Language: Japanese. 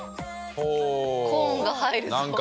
コーンが入るぞ。